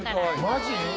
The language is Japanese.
マジ？